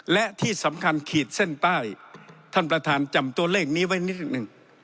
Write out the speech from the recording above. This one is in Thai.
และที่สำคัญขีดเส้นใต้ท่านประธานจำตัวเลขนี้ไว้นิดหนึ่ง